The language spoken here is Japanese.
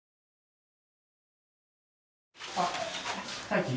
あっ大輝